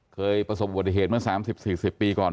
เคยประสบอุบัติเหตุเมื่อ๓๐๔๐ปีก่อน